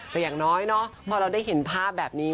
แต่อย่างน้อยเนาะพอเราได้เห็นภาพแบบนี้